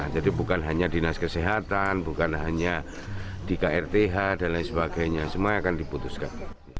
jadi bukan hanya dinas kesehatan bukan hanya dkrth dan lain sebagainya semua akan diputuskan